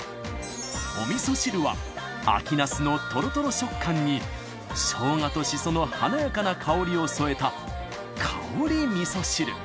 おみそ汁は秋ナスのとろとろ食感にしょうがとしその華やかな香りを添えた香りみそ汁。